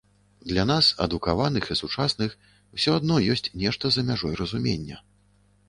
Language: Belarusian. Для нас, адукаваных і сучасных, усё адно ёсць нешта за мяжой разумення.